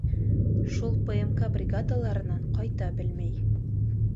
Шул ПМК бригадаларынан ҡайта бел мәй